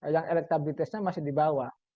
yang elektabilitasnya masih di bawah